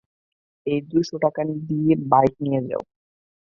এই, দুশো টাকা দিয়ে বাইক নিয়ে যাও।